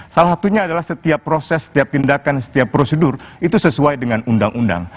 salah satunya adalah setiap proses setiap tindakan setiap prosedur itu sesuai dengan undang undang